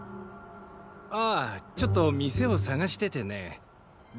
ああちょっと店を探しててね銭